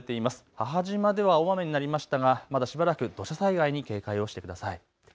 母島では大雨になりましたがまだしばらく土砂災害に警戒をしてください。